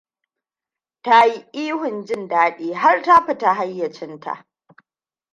Ta yi ihun jin daɗi har ta fita hayyacinta.